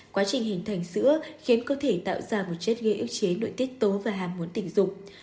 quá trình hình thành sữa khiến cơ thể tạo ra một chất ghê ước chế nội tiết tố và hạt muốn tình dục